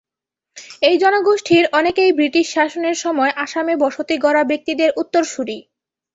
এই জনগোষ্ঠীর অনেকেই ব্রিটিশ শাসনের সময় আসামে বসতি গড়া ব্যক্তিদের উত্তরসূরি।